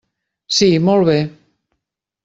Sí, molt bé.